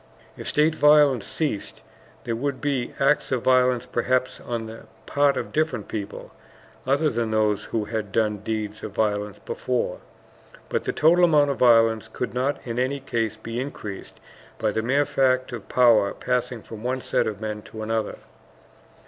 If state violence ceased, there would be acts of violence perhaps on the part of different people, other than those who had done deeds of violence before. But the total amount of violence could not in any case be increased by the mere fact of power passing from one set of men to another.